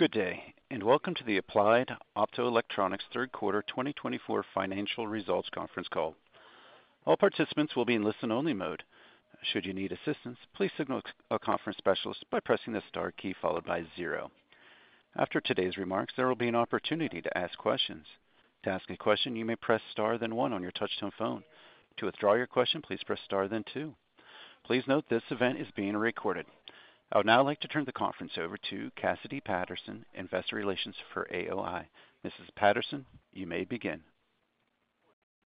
Good day, and welcome to the Applied Optoelectronics Third Quarter 2024 Financial Results Conference Call. All participants will be in listen-only mode. Should you need assistance, please signal a conference specialist by pressing the star key followed by zero. After today's remarks, there will be an opportunity to ask questions. To ask a question, you may press star then one on your touch-tone phone. To withdraw your question, please press star then two. Please note this event is being recorded. I would now like to turn the conference over to Cassidy Patterson, Investor Relations for AOI. Mrs. Patterson, you may begin.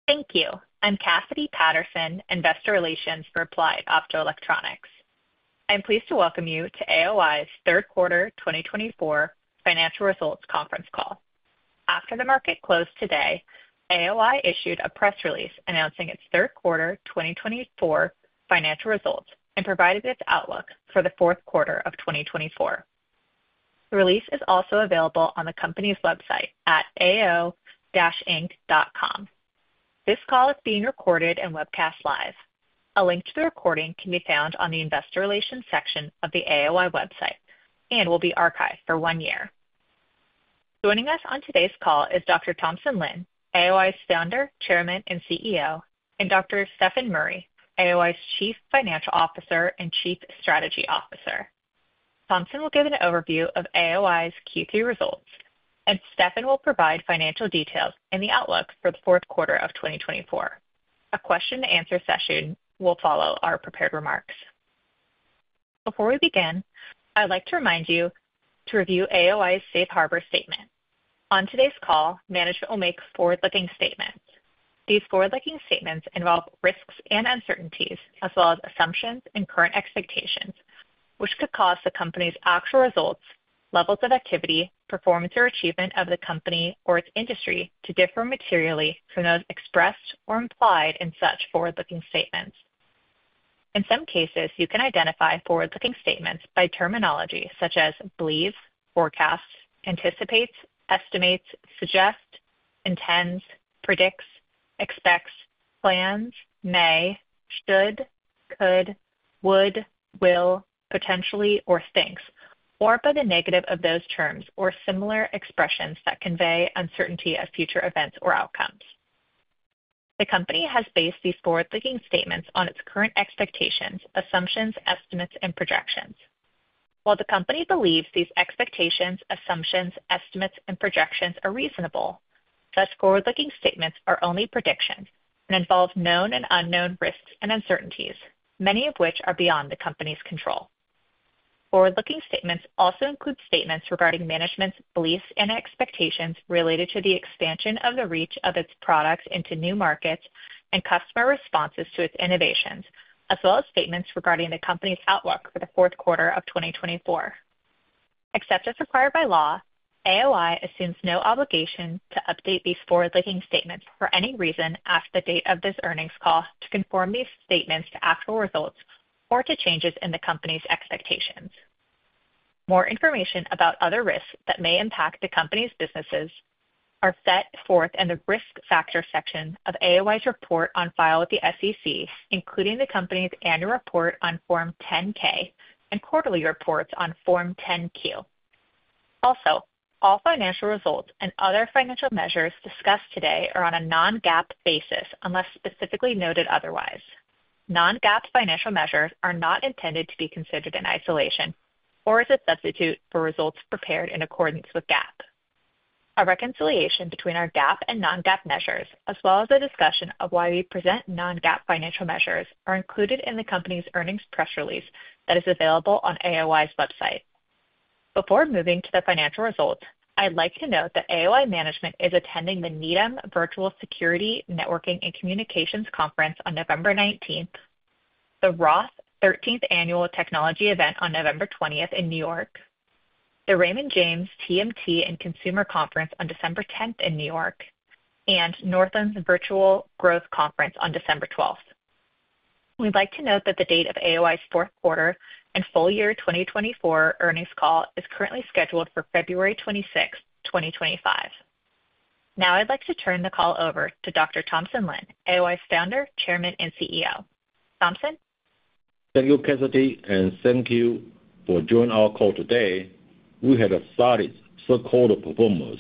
Thank you. I'm Cassidy Patterson, Investor Relations for Applied Optoelectronics. I'm pleased to welcome you to AOI's Third Quarter 2024 Financial Results Conference Call. After the market closed today, AOI issued a press release announcing its third quarter 2024 financial results and provided its outlook for the fourth quarter of 2024. The release is also available on the company's website at ao-inc.com. This call is being recorded and webcast live. A link to the recording can be found on the Investor Relations section of the AOI website and will be archived for one year. Joining us on today's call is Dr. Thompson Lin, AOI's Founder, Chairman, and CEO, and Dr. Stefan Murry, AOI's Chief Financial Officer and Chief Strategy Officer. Thompson will give an overview of AOI's Q3 results, and Stefan will provide financial details and the outlook for the fourth quarter of 2024. A question-and-answer session will follow our prepared remarks. Before we begin, I'd like to remind you to review AOI's safe harbor statement. On today's call, management will make forward-looking statements. These forward-looking statements involve risks and uncertainties, as well as assumptions and current expectations, which could cause the company's actual results, levels of activity, performance, or achievement of the company or its industry to differ materially from those expressed or implied in such forward-looking statements. In some cases, you can identify forward-looking statements by terminology such as believes, forecasts, anticipates, estimates, suggests, intends, predicts, expects, plans, may, should, could, would, will, potentially, or thinks, or by the negative of those terms or similar expressions that convey uncertainty of future events or outcomes. The company has based these forward-looking statements on its current expectations, assumptions, estimates, and projections. While the company believes these expectations, assumptions, estimates, and projections are reasonable, such forward-looking statements are only predictions and involve known and unknown risks and uncertainties, many of which are beyond the company's control. Forward-looking statements also include statements regarding management's beliefs and expectations related to the expansion of the reach of its products into new markets and customer responses to its innovations, as well as statements regarding the company's outlook for the fourth quarter of 2024. Except as required by law, AOI assumes no obligation to update these forward-looking statements for any reason after the date of this earnings call to conform these statements to actual results or to changes in the company's expectations. More information about other risks that may impact the company's businesses are set forth in the risk factor section of AOI's report on file with the SEC, including the company's annual report on Form 10-K and quarterly reports on Form 10-Q. Also, all financial results and other financial measures discussed today are on a non-GAAP basis unless specifically noted otherwise. Non-GAAP financial measures are not intended to be considered in isolation or as a substitute for results prepared in accordance with GAAP. A reconciliation between our GAAP and non-GAAP measures, as well as a discussion of why we present non-GAAP financial measures, are included in the company's earnings press release that is available on AOI's website. Before moving to the financial results, I'd like to note that AOI management is attending the Needham Virtual Security, Networking, and Communications Conference on November 19th, the Roth 13th Annual Technology Event on November 20th in New York, the Raymond James TMT and Consumer Conference on December 10th in New York, and Northland's Virtual Growth Conference on December 12th. We'd like to note that the date of AOI's fourth quarter and full year 2024 earnings call is currently scheduled for February 26th, 2025. Now, I'd like to turn the call over to Dr. Thompson Lin, AOI's Founder, Chairman, and CEO. Thompson? Thank you, Cassidy, and thank you for joining our call today. We had a solid third quarter performance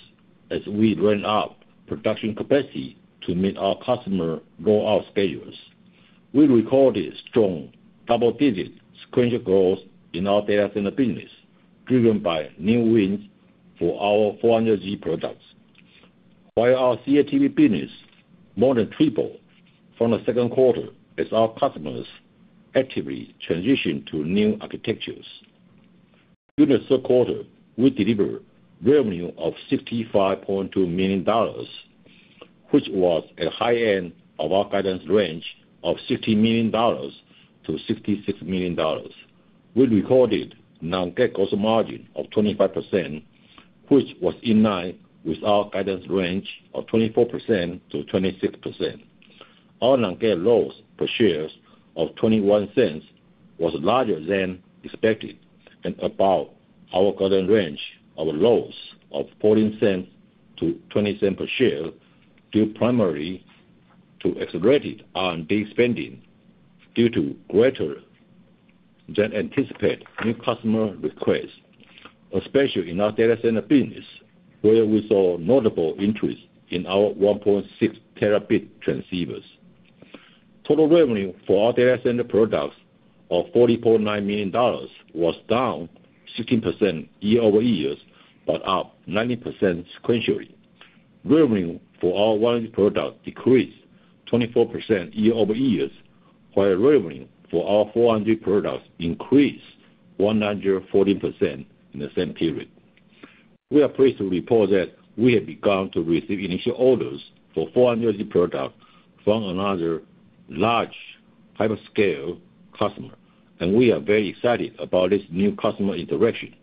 as we ramped up production capacity to meet our customer rollout schedules. We recorded strong double-digit sequential growth in our data center business, driven by new wins for our 400G products. While our CATV business more than tripled from the second quarter as our customers actively transitioned to new architectures. During the third quarter, we delivered revenue of $65.2 million, which was at the high end of our guidance range of $60 million-$66 million. We recorded non-GAAP gross margin of 25%, which was in line with our guidance range of 24%-26%. Our non-GAAP loss per share of $0.21 was larger than expected and above our guidance range of loss of $0.14 to $0.20 per share, due primarily to accelerated R&D spending due to greater than anticipated new customer requests, especially in our data center business, where we saw notable interest in our 1.6 Tb transceivers. Total revenue for our data center products of $44.9 million was down 16% year-over-year but up 90% sequentially. Revenue for our 100G products decreased 24% year-over-year, while revenue for our 400G products increased 114% in the same period. We are pleased to report that we have begun to receive initial orders for 400G products from another large hyperscale customer, and we are very excited about this new customer interaction.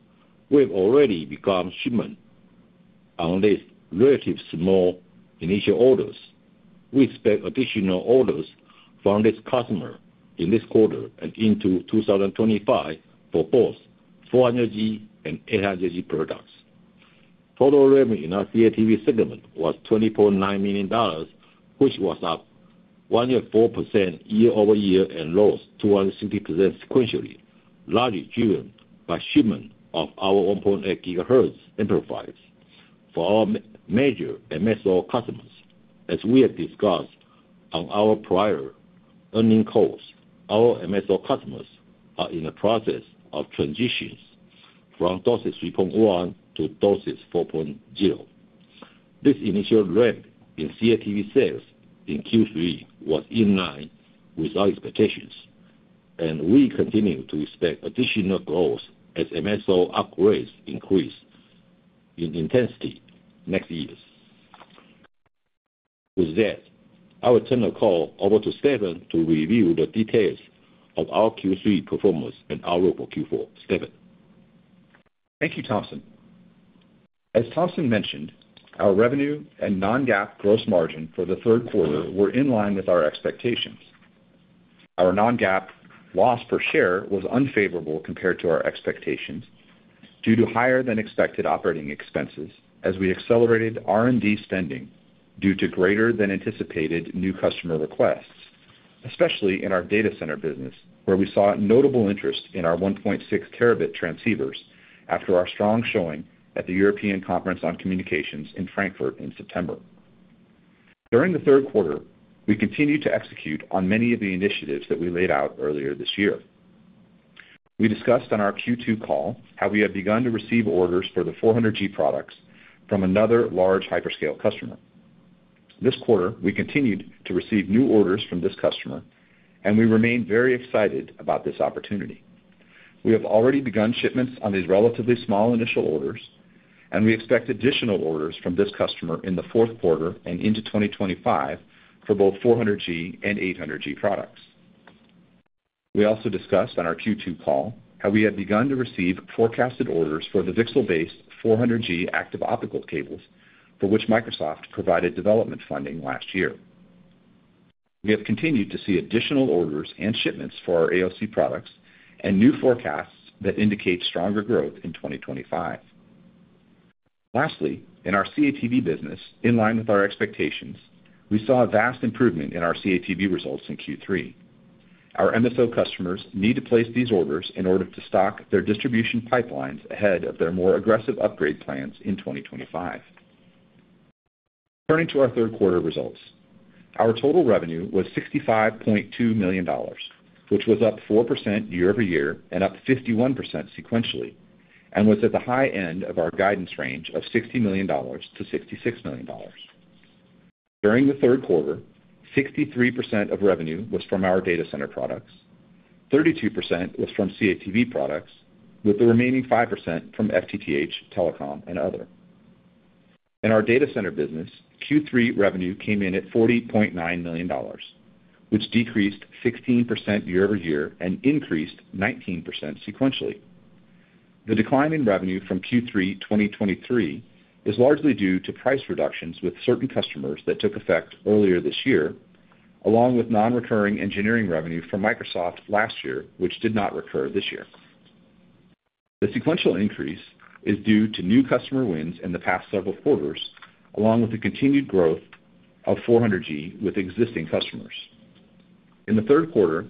We have already begun shipment on these relatively small initial orders. We expect additional orders from this customer in this quarter and into 2025 for both 400G and 800G products. Total revenue in our CATV segment was $24.9 million, which was up 104% year-over-year and down 60% sequentially, largely driven by shipment of our 1.8 GHz amplifiers for our major MSO customers. As we have discussed on our prior earnings calls, our MSO customers are in the process of transitions from DOCSIS 3.1 to DOCSIS 4.0. This initial ramp in CATV sales in Q3 was in line with our expectations, and we continue to expect additional growth as MSO upgrades increase in intensity next year. With that, I will turn the call over to Stefan to review the details of our Q3 performance and outlook for Q4. Stefan? Thank you, Thompson. As Thompson mentioned, our revenue and non-GAAP gross margin for the third quarter were in line with our expectations. Our non-GAAP loss per share was unfavorable compared to our expectations due to higher-than-expected operating expenses as we accelerated R&D spending due to greater-than-anticipated new customer requests, especially in our data center business, where we saw notable interest in our 1.6 Tb transceivers after our strong showing at the European Conference on Communications in Frankfurt in September. During the third quarter, we continued to execute on many of the initiatives that we laid out earlier this year. We discussed on our Q2 call how we have begun to receive orders for the 400G products from another large hyperscale customer. This quarter, we continued to receive new orders from this customer, and we remain very excited about this opportunity. We have already begun shipments on these relatively small initial orders, and we expect additional orders from this customer in the fourth quarter and into 2025 for both 400G and 800G products. We also discussed on our Q2 call how we have begun to receive forecasted orders for the VCSEL-based 400G active optical cables, for which Microsoft provided development funding last year. We have continued to see additional orders and shipments for our AOC products and new forecasts that indicate stronger growth in 2025. Lastly, in our CATV business, in line with our expectations, we saw a vast improvement in our CATV results in Q3. Our MSO customers need to place these orders in order to stock their distribution pipelines ahead of their more aggressive upgrade plans in 2025. Turning to our third quarter results, our total revenue was $65.2 million, which was up 4% year-over-year and up 51% sequentially, and was at the high end of our guidance range of $60 million-$66 million. During the third quarter, 63% of revenue was from our data center products, 32% was from CATV products, with the remaining 5% from FTTH, Telecom, and other. In our data center business, Q3 revenue came in at $40.9 million, which decreased 16% year-over-year and increased 19% sequentially. The decline in revenue from Q3 2023 is largely due to price reductions with certain customers that took effect earlier this year, along with non-recurring engineering revenue from Microsoft last year, which did not recur this year. The sequential increase is due to new customer wins in the past several quarters, along with the continued growth of 400G with existing customers. In the third quarter,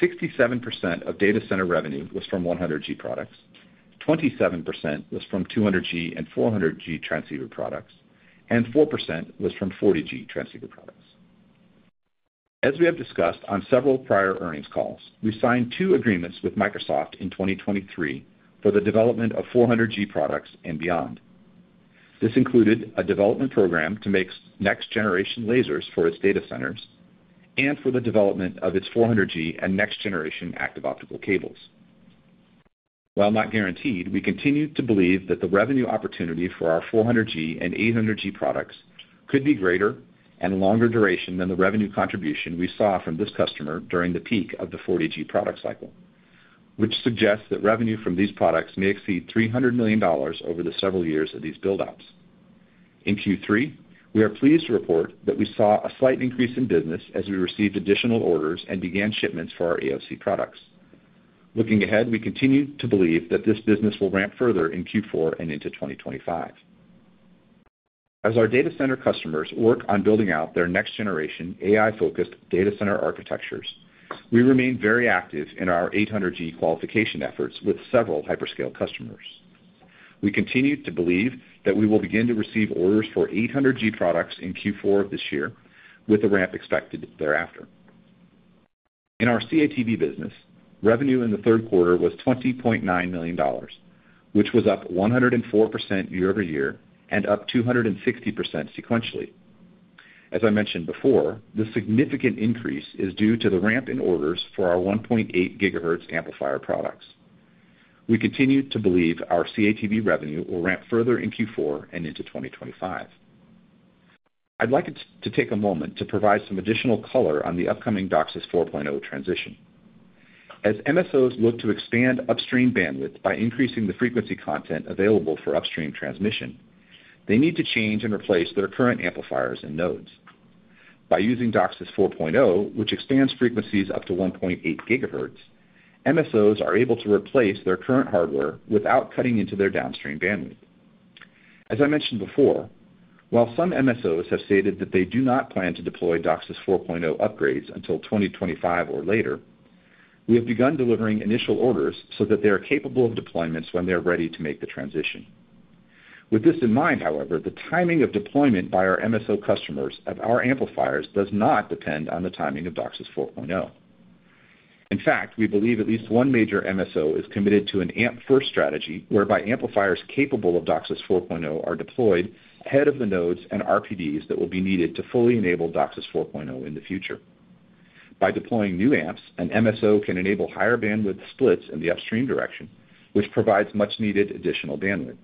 67% of data center revenue was from 100G products, 27% was from 200G and 400G transceiver products, and 4% was from 40G transceiver products. As we have discussed on several prior earnings calls, we signed two agreements with Microsoft in 2023 for the development of 400G products and beyond. This included a development program to make next-generation lasers for its data centers and for the development of its 400G and next-generation active optical cables. While not guaranteed, we continue to believe that the revenue opportunity for our 400G and 800G products could be greater and longer duration than the revenue contribution we saw from this customer during the peak of the 40G product cycle, which suggests that revenue from these products may exceed $300 million over the several years of these build-ups. In Q3, we are pleased to report that we saw a slight increase in business as we received additional orders and began shipments for our AOC products. Looking ahead, we continue to believe that this business will ramp further in Q4 and into 2025. As our data center customers work on building out their next-generation AI-focused data center architectures, we remain very active in our 800G qualification efforts with several hyperscale customers. We continue to believe that we will begin to receive orders for 800G products in Q4 of this year, with a ramp expected thereafter. In our CATV business, revenue in the third quarter was $20.9 million, which was up 104% year-over-year and up 260% sequentially. As I mentioned before, the significant increase is due to the ramp in orders for our 1.8 GHz amplifier products. We continue to believe our CATV revenue will ramp further in Q4 and into 2025. I'd like to take a moment to provide some additional color on the upcoming DOCSIS 4.0 transition. As MSOs look to expand upstream bandwidth by increasing the frequency content available for upstream transmission, they need to change and replace their current amplifiers and nodes. By using DOCSIS 4.0, which expands frequencies up to 1.8 GHz, MSOs are able to replace their current hardware without cutting into their downstream bandwidth. As I mentioned before, while some MSOs have stated that they do not plan to deploy DOCSIS 4.0 upgrades until 2025 or later, we have begun delivering initial orders so that they are capable of deployments when they are ready to make the transition. With this in mind, however, the timing of deployment by our MSO customers of our amplifiers does not depend on the timing of DOCSIS 4.0. In fact, we believe at least one major MSO is committed to an amp-first strategy whereby amplifiers capable of DOCSIS 4.0 are deployed ahead of the nodes and RPDs that will be needed to fully enable DOCSIS 4.0 in the future. By deploying new amps, an MSO can enable higher bandwidth splits in the upstream direction, which provides much-needed additional bandwidth.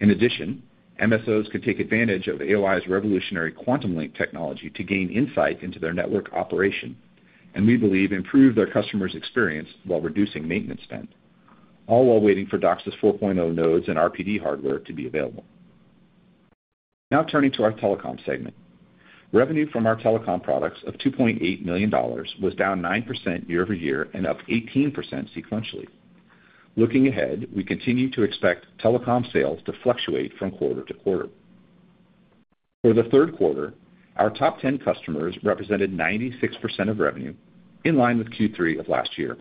In addition, MSOs could take advantage of AOI's revolutionary QuantumLink technology to gain insight into their network operation, and we believe improve their customers' experience while reducing maintenance spend, all while waiting for DOCSIS 4.0 nodes and RPD hardware to be available. Now, turning to our telecom segment, revenue from our telecom products of $2.8 million was down 9% year-over-year and up 18% sequentially. Looking ahead, we continue to expect telecom sales to fluctuate from quarter to quarter. For the third quarter, our top 10 customers represented 96% of revenue, in line with Q3 of last year.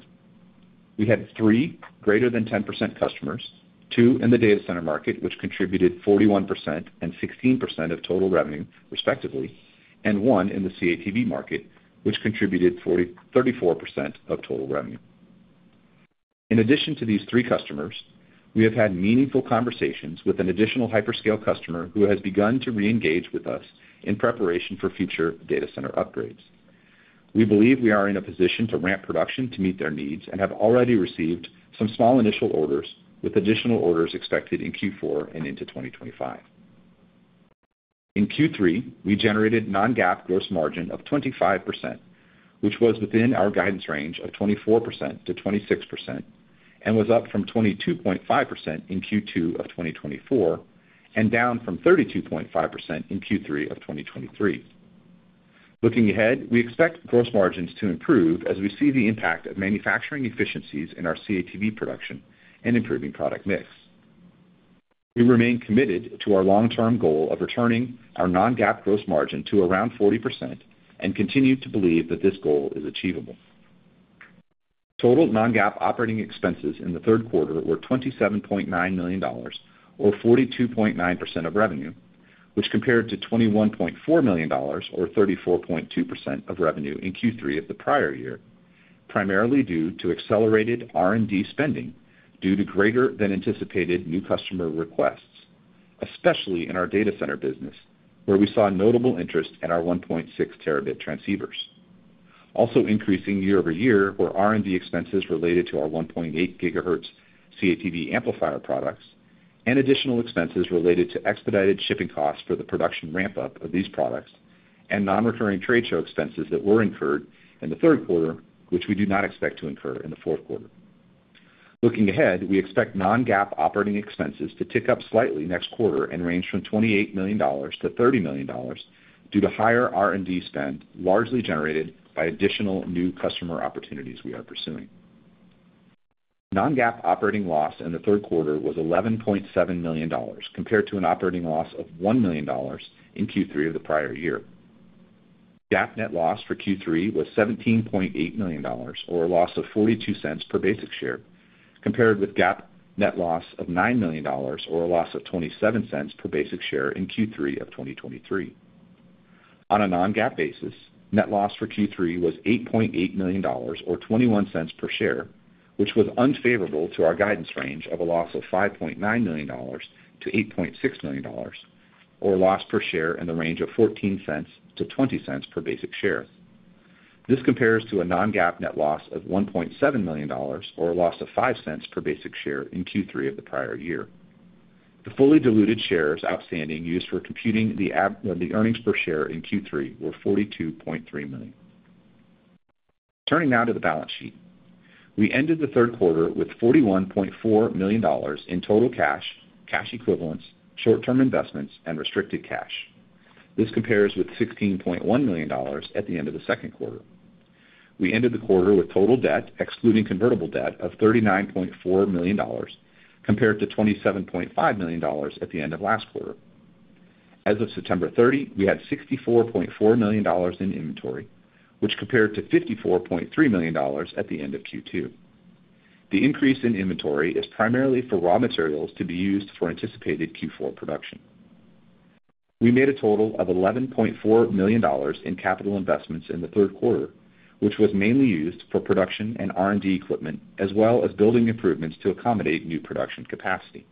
We had three greater than 10% customers, two in the data center market, which contributed 41% and 16% of total revenue, respectively, and one in the CATV market, which contributed 34% of total revenue. In addition to these three customers, we have had meaningful conversations with an additional hyperscale customer who has begun to reengage with us in preparation for future data center upgrades. We believe we are in a position to ramp production to meet their needs and have already received some small initial orders, with additional orders expected in Q4 and into 2025. In Q3, we generated non-GAAP gross margin of 25%, which was within our guidance range of 24%-26%, and was up from 22.5% in Q2 of 2024 and down from 32.5% in Q3 of 2023. Looking ahead, we expect gross margins to improve as we see the impact of manufacturing efficiencies in our CATV production and improving product mix. We remain committed to our long-term goal of returning our non-GAAP gross margin to around 40% and continue to believe that this goal is achievable. Total non-GAAP operating expenses in the third quarter were $27.9 million, or 42.9% of revenue, which compared to $21.4 million, or 34.2% of revenue in Q3 of the prior year, primarily due to accelerated R&D spending due to greater-than-anticipated new customer requests, especially in our data center business, where we saw notable interest in our 1.6 Tb transceivers. Also increasing year-over-year were R&D expenses related to our 1.8 GHz CATV amplifier products and additional expenses related to expedited shipping costs for the production ramp-up of these products and non-recurring trade show expenses that were incurred in the third quarter, which we do not expect to incur in the fourth quarter. Looking ahead, we expect non-GAAP operating expenses to tick up slightly next quarter and range from $28 million-$30 million due to higher R&D spend largely generated by additional new customer opportunities we are pursuing. Non-GAAP operating loss in the third quarter was $11.7 million, compared to an operating loss of $1 million in Q3 of the prior year. GAAP net loss for Q3 was $17.8 million, or a loss of $0.42 per basic share, compared with GAAP net loss of $9 million, or a loss of $0.27 per basic share in Q3 of 2023. On a non-GAAP basis, net loss for Q3 was $8.8 million, or $0.21 per share, which was unfavorable to our guidance range of a loss of $5.9 million to $8.6 million, or a loss per share in the range of $0.14 to $0.20 per basic share. This compares to a non-GAAP net loss of $1.7 million, or a loss of $0.05 per basic share in Q3 of the prior year. The fully diluted shares outstanding used for computing the earnings per share in Q3 were 42.3 million. Turning now to the balance sheet, we ended the third quarter with $41.4 million in total cash, cash equivalents, short-term investments, and restricted cash. This compares with $16.1 million at the end of the second quarter. We ended the quarter with total debt, excluding convertible debt, of $39.4 million, compared to $27.5 million at the end of last quarter. As of September 30, we had $64.4 million in inventory, which compared to $54.3 million at the end of Q2. The increase in inventory is primarily for raw materials to be used for anticipated Q4 production. We made a total of $11.4 million in capital investments in the third quarter, which was mainly used for production and R&D equipment, as well as building improvements to accommodate new production capacity.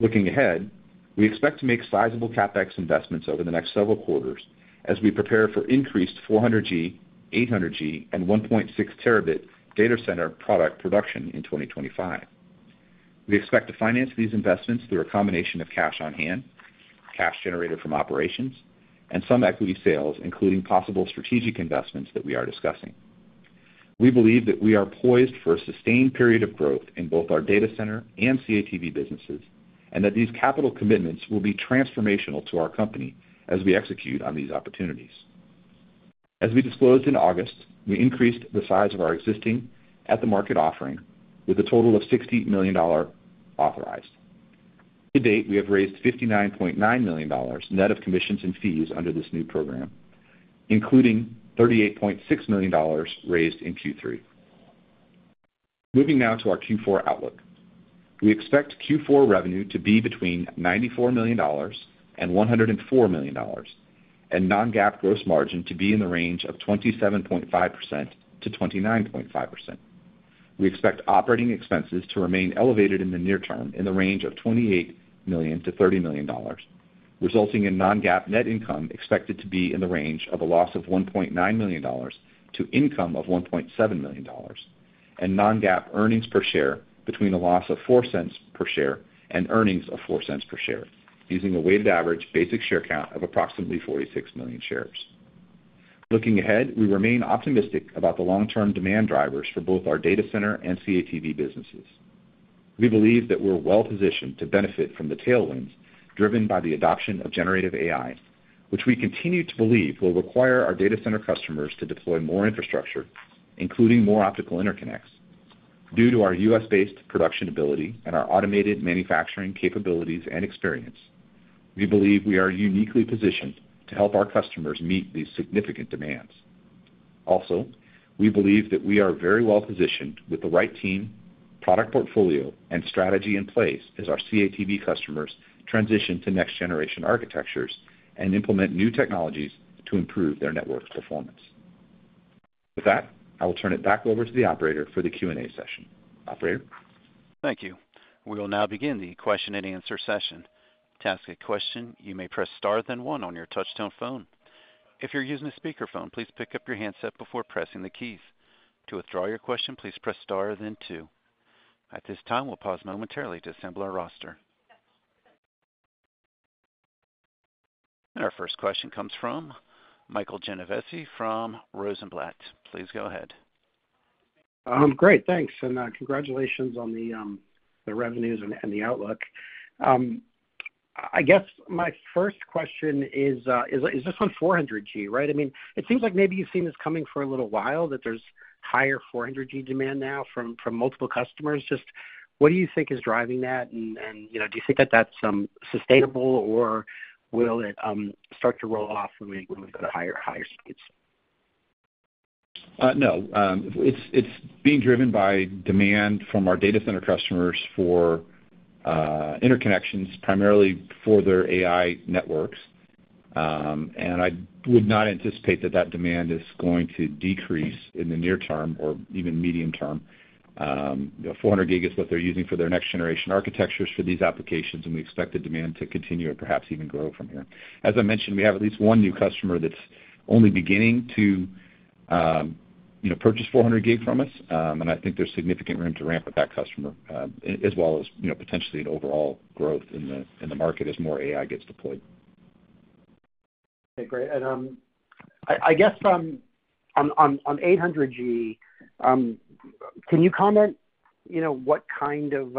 Looking ahead, we expect to make sizable CapEx investments over the next several quarters as we prepare for increased 400G, 800G, and 1.6 Tb data center product production in 2025. We expect to finance these investments through a combination of cash on hand, cash generated from operations, and some equity sales, including possible strategic investments that we are discussing. We believe that we are poised for a sustained period of growth in both our data center and CATV businesses and that these capital commitments will be transformational to our company as we execute on these opportunities. As we disclosed in August, we increased the size of our existing at-the-market offering with a total of $60 million authorized. To date, we have raised $59.9 million net of commissions and fees under this new program, including $38.6 million raised in Q3. Moving now to our Q4 outlook, we expect Q4 revenue to be between $94 million and $104 million, and non-GAAP gross margin to be in the range of 27.5%-29.5%. We expect operating expenses to remain elevated in the near term in the range of $28 million-$30 million, resulting in non-GAAP net income expected to be in the range of a loss of $1.9 million to income of $1.7 million, and non-GAAP earnings per share between a loss of $0.04 per share and earnings of $0.04 per share, using a weighted average basic share count of approximately 46 million shares. Looking ahead, we remain optimistic about the long-term demand drivers for both our data center and CATV businesses. We believe that we're well-positioned to benefit from the tailwinds driven by the adoption of generative AI, which we continue to believe will require our data center customers to deploy more infrastructure, including more optical interconnects. Due to our U.S.-based production ability and our automated manufacturing capabilities and experience, we believe we are uniquely positioned to help our customers meet these significant demands. Also, we believe that we are very well-positioned with the right team, product portfolio, and strategy in place as our CATV customers transition to next-generation architectures and implement new technologies to improve their network performance. With that, I will turn it back over to the operator for the Q&A session. Operator? Thank you. We will now begin the question-and-answer session. To ask a question, you may press star then one on your touch-tone phone. If you're using a speakerphone, please pick up your handset before pressing the keys. To withdraw your question, please press star then two. At this time, we'll pause momentarily to assemble our roster. Our first question comes from Michael Genovese from Rosenblatt. Please go ahead. Great. Thanks, and congratulations on the revenues and the outlook. I guess my first question is, is this on 400G, right? I mean, it seems like maybe you've seen this coming for a little while, that there's higher 400G demand now from multiple customers. Just what do you think is driving that? And do you think that that's sustainable, or will it start to roll off when we go to higher speeds? No. It's being driven by demand from our data center customers for interconnections, primarily for their AI networks. And I would not anticipate that the demand is going to decrease in the near term or even medium term. 400G is what they're using for their next-generation architectures for these applications, and we expect the demand to continue and perhaps even grow from here. As I mentioned, we have at least one new customer that's only beginning to purchase 400G from us, and I think there's significant room to ramp with that customer, as well as potentially an overall growth in the market as more AI gets deployed. Okay. Great. And I guess on 800G, can you comment what kind of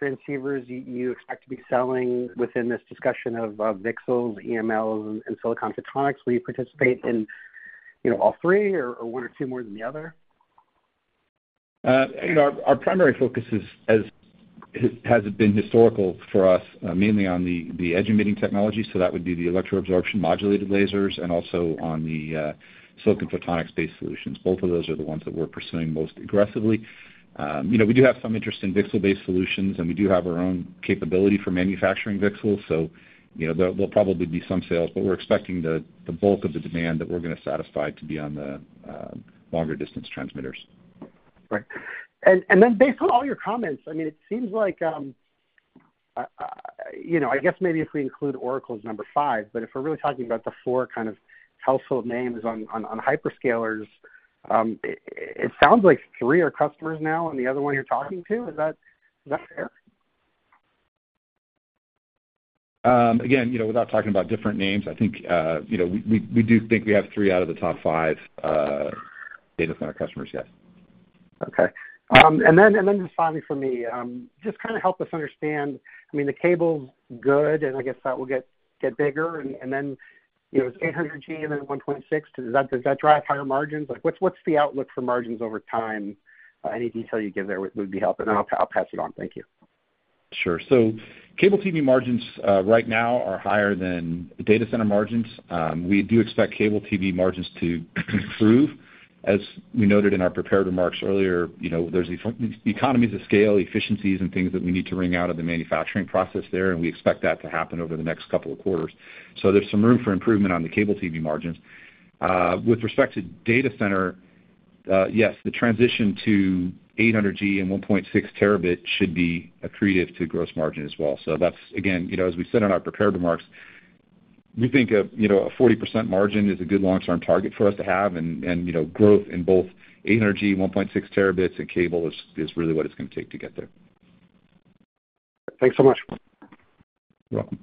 transceivers you expect to be selling within this discussion of VCSELs, EMLs, and silicon photonics? Will you participate in all three or one or two more than the other? Our primary focus has been historically for us, mainly on the edge-emitting technology. So that would be the electro-absorption modulated lasers and also on the silicon photonics-based solutions. Both of those are the ones that we're pursuing most aggressively. We do have some interest in VCSEL-based solutions, and we do have our own capability for manufacturing VCSELs. So there'll probably be some sales, but we're expecting the bulk of the demand that we're going to satisfy to be on the longer-distance transmitters. Right. And then based on all your comments, I mean, it seems like I guess maybe if we include Oracle as number five, but if we're really talking about the four kind of household names on hyperscalers, it sounds like three are customers now on the other one you're talking to. Is that fair? Again, without talking about different names, I think we do think we have three out of the top five data center customers. Yes. Okay. And then just finally for me, just kind of help us understand. I mean, the cable's good, and I guess that will get bigger. And then it's 800G and then 1.6 Tb. Does that drive higher margins? What's the outlook for margins over time? Any detail you give there would be helpful, and I'll pass it on. Thank you. Sure. So cable TV margins right now are higher than data center margins. We do expect cable TV margins to improve. As we noted in our prepared remarks earlier, there's the economies of scale, efficiencies, and things that we need to wring out of the manufacturing process there, and we expect that to happen over the next couple of quarters. So there's some room for improvement on the cable TV margins. With respect to data center, yes, the transition to 800G and 1.6 Tb should be accretive to gross margin as well. So that's, again, as we said in our prepared remarks, we think a 40% margin is a good long-term target for us to have, and growth in both 800G, 1.6 Tb, and cable is really what it's going to take to get there. Thanks so much. You're welcome.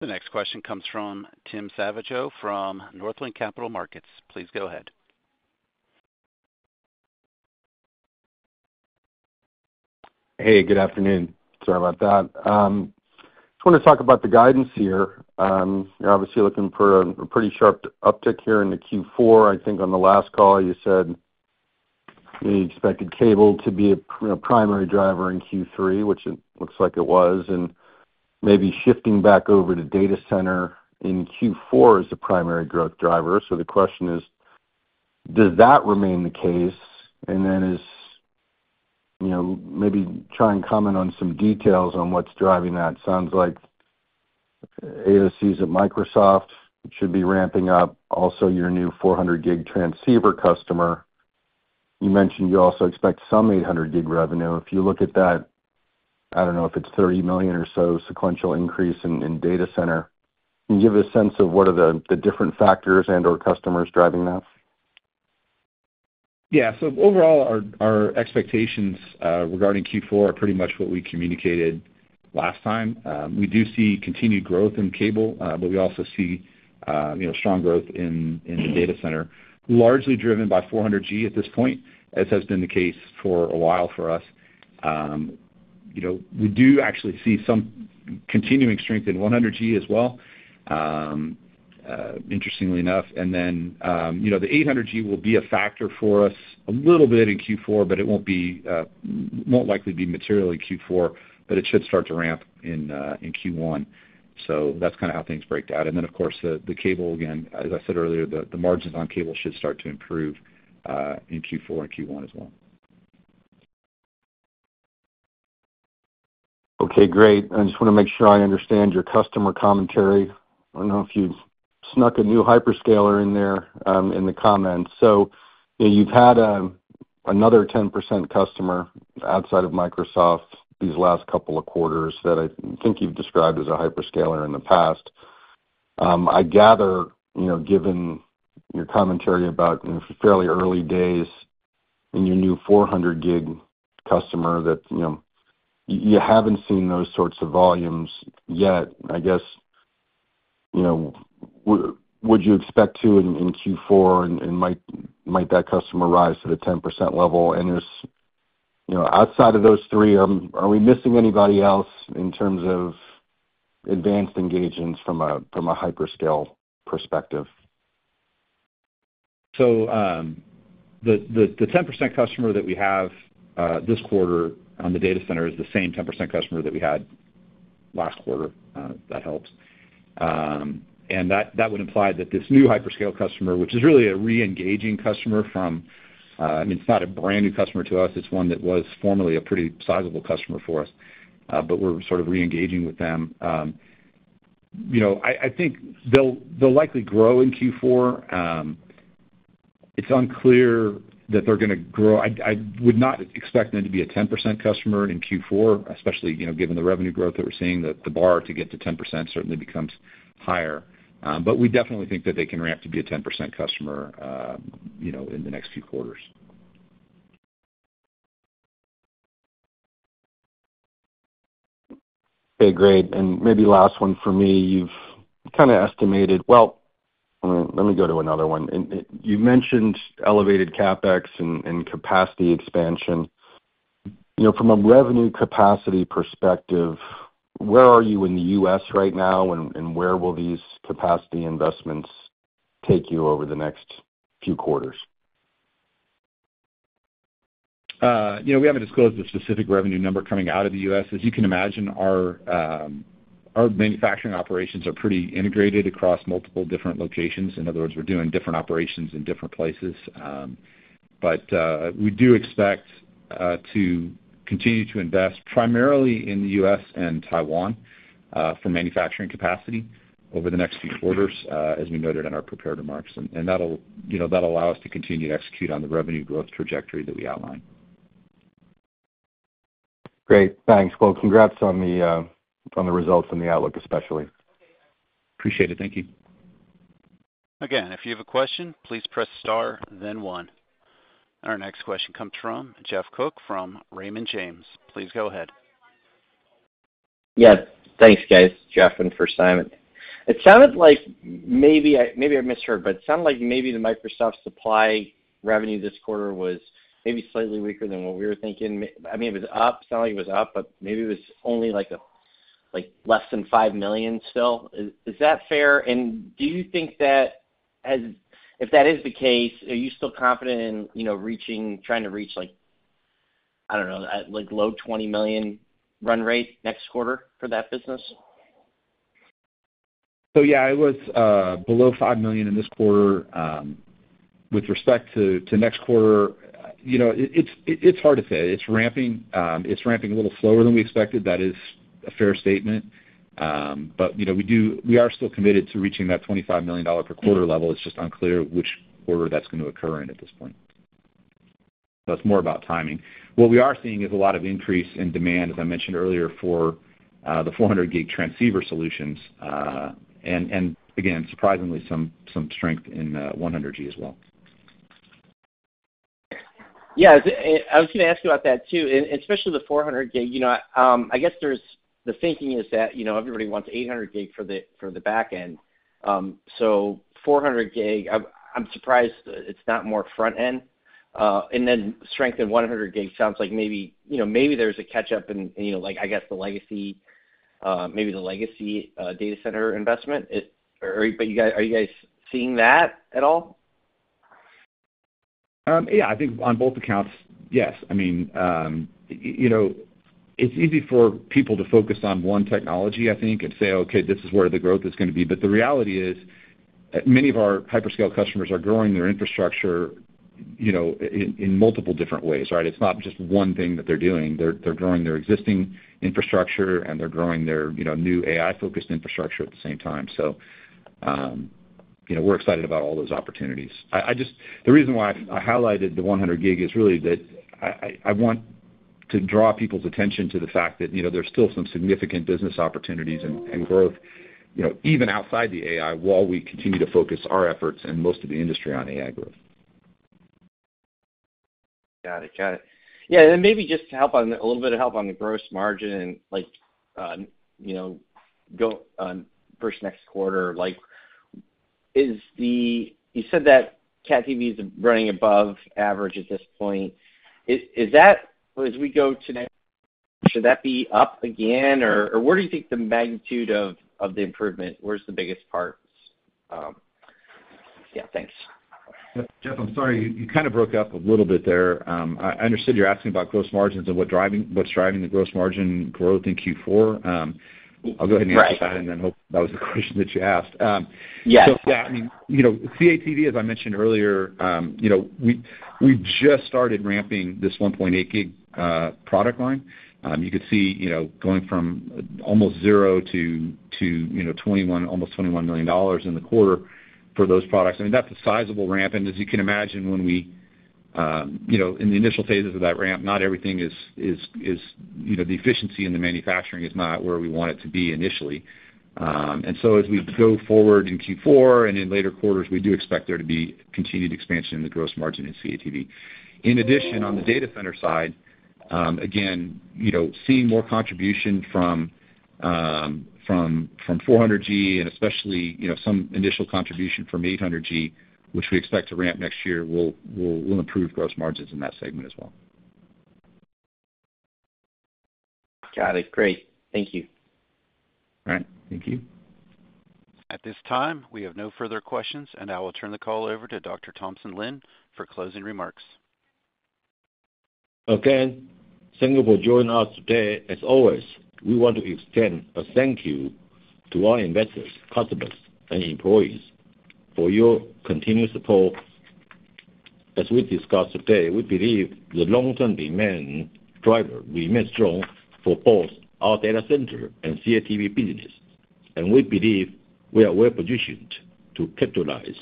The next question comes from Tim Savageaux from Northland Capital Markets. Please go ahead. Hey, good afternoon. Sorry about that. I just wanted to talk about the guidance here. You're obviously looking for a pretty sharp uptick here in the Q4. I think on the last call, you said the expected cable to be a primary driver in Q3, which it looks like it was, and maybe shifting back over to data center in Q4 is the primary growth driver. So the question is, does that remain the case? And then maybe try and comment on some details on what's driving that. Sounds like AOCs at Microsoft should be ramping up. Also, your new 400G transceiver customer, you mentioned you also expect some 800G revenue. If you look at that, I don't know if it's 30 million or so sequential increase in data center. Can you give a sense of what are the different factors and/or customers driving that? Yeah. So overall, our expectations regarding Q4 are pretty much what we communicated last time. We do see continued growth in cable, but we also see strong growth in the data center, largely driven by 400G at this point, as has been the case for a while for us. We do actually see some continuing strength in 100G as well, interestingly enough. And then the 800G will be a factor for us a little bit in Q4, but it won't likely be material in Q4, but it should start to ramp in Q1. So that's kind of how things break out. And then, of course, the cable, again, as I said earlier, the margins on cable should start to improve in Q4 and Q1 as well. Okay. Great. I just want to make sure I understand your customer commentary. I don't know if you snuck a new hyperscaler in there in the comments. So you've had another 10% customer outside of Microsoft these last couple of quarters that I think you've described as a hyperscaler in the past. I gather, given your commentary about fairly early days in your new 400G customer, that you haven't seen those sorts of volumes yet. I guess, would you expect to in Q4, and might that customer rise to the 10% level? And outside of those three, are we missing anybody else in terms of advanced engagements from a hyperscale perspective? The 10% customer that we have this quarter on the data center is the same 10% customer that we had last quarter. That helps. And that would imply that this new hyperscale customer, which is really a re-engaging customer from, I mean, it's not a brand new customer to us. It's one that was formerly a pretty sizable customer for us, but we're sort of re-engaging with them. I think they'll likely grow in Q4. It's unclear that they're going to grow. I would not expect them to be a 10% customer in Q4, especially given the revenue growth that we're seeing. The bar to get to 10% certainly becomes higher. But we definitely think that they can ramp to be a 10% customer in the next few quarters. Okay. Great. And maybe last one for me. You've kind of estimated, well, let me go to another one. You mentioned elevated CapEx and capacity expansion. From a revenue capacity perspective, where are you in the U.S. right now, and where will these capacity investments take you over the next few quarters? We haven't disclosed the specific revenue number coming out of the U.S. As you can imagine, our manufacturing operations are pretty integrated across multiple different locations. In other words, we're doing different operations in different places. But we do expect to continue to invest primarily in the U.S. and Taiwan for manufacturing capacity over the next few quarters, as we noted in our prepared remarks. And that'll allow us to continue to execute on the revenue growth trajectory that we outlined. Great. Thanks. Well, congrats on the results and the outlook, especially. Appreciate it. Thank you. Again, if you have a question, please press star, then one. Our next question comes from Jeff Cook from Raymond James. Please go ahead. Yes. Thanks, guys. Jeff on for Simon. It sounded like maybe I misheard, but it sounded like maybe the Microsoft supply revenue this quarter was maybe slightly weaker than what we were thinking. I mean, it was up. It sounded like it was up, but maybe it was only less than $5 million still. Is that fair? And do you think that if that is the case, are you still confident in trying to reach, I don't know, low-$20 million run rate next quarter for that business? So yeah, it was below $5 million in this quarter. With respect to next quarter, it's hard to say. It's ramping a little slower than we expected. That is a fair statement. But we are still committed to reaching that $25 million per quarter level. It's just unclear which quarter that's going to occur in at this point. So it's more about timing. What we are seeing is a lot of increase in demand, as I mentioned earlier, for the 400G transceiver solutions. And again, surprisingly, some strength in 100G as well. Yeah. I was going to ask you about that too, especially the 400G. I guess the thinking is that everybody wants 800G for the backend. So 400G, I'm surprised it's not more front-end. And then strength in 100G sounds like maybe there's a catch-up in, I guess, the legacy, maybe the legacy data center investment. Are you guys seeing that at all? Yeah. I think on both accounts, yes. I mean, it's easy for people to focus on one technology, I think, and say, "Okay, this is where the growth is going to be." But the reality is many of our hyperscale customers are growing their infrastructure in multiple different ways, right? It's not just one thing that they're doing. They're growing their existing infrastructure, and they're growing their new AI-focused infrastructure at the same time. So we're excited about all those opportunities. The reason why I highlighted the 100G is really that I want to draw people's attention to the fact that there's still some significant business opportunities and growth, even outside the AI, while we continue to focus our efforts and most of the industry on AI growth. Got it. Got it. Yeah. And maybe just to help a little bit of help on the gross margin and go first next quarter, you said that CATV is running above average at this point. As we go to next, should that be up again, or where do you think the magnitude of the improvement, where's the biggest parts? Yeah. Thanks. Jeff, I'm sorry. You kind of broke up a little bit there. I understood you're asking about gross margins and what's driving the gross margin growth in Q4. I'll go ahead and answer that, and then hope that was the question that you asked. So yeah, I mean, CATV, as I mentioned earlier, we just started ramping this 1.8 GHz product line. You could see going from almost 0 to almost $21 million in the quarter for those products. I mean, that's a sizable ramp. And as you can imagine, when we in the initial phases of that ramp, not everything is the efficiency in the manufacturing is not where we want it to be initially. And so as we go forward in Q4 and in later quarters, we do expect there to be continued expansion in the gross margin in CATV. In addition, on the data center side, again, seeing more contribution from 400G, and especially some initial contribution from 800G, which we expect to ramp next year, will improve gross margins in that segment as well. Got it. Great. Thank you. All right. Thank you. At this time, we have no further questions, and I will turn the call over to Dr. Thompson Lin for closing remarks. Again, thank you for joining us today. As always, we want to extend a thank you to our investors, customers, and employees for your continued support. As we discussed today, we believe the long-term demand driver remains strong for both our data center and CATV business, and we believe we are well-positioned to capitalize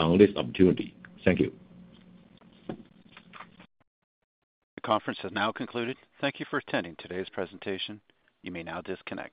on this opportunity. Thank you. The conference has now concluded. Thank you for attending today's presentation. You may now disconnect.